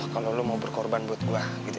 kalau lo mau berkorban buat gue gitu ya